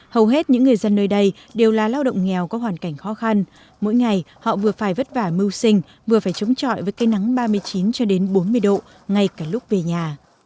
hầu hết những người dân nơi đây đều là lao động nghèo có hoàn cảnh khó khăn mỗi ngày họ vừa phải vất vả mưu sinh vừa phải chống trọi với cây nắng ba mươi chín cho đến bốn mươi độ ngay cả lúc về nhà